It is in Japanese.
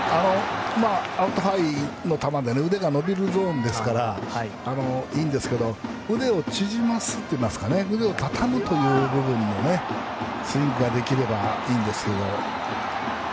アウトハイの球で腕が伸びるゾーンですからいいんですけど腕を縮ますといいますか腕を畳むという部分のスイングができればいいんですけど。